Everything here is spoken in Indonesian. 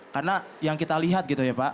karena yang kita lihat